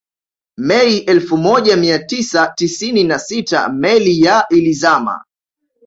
Mei elfu moja mia tisa tisini na sita meli ya ilizama